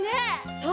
そう！